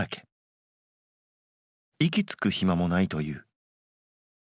息つく暇もないという。